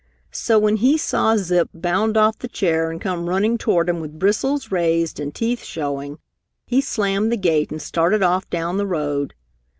So when he saw Zip bound off the chair and come running toward him with bristles raised and teeth showing, he slammed the gate and started off down the road.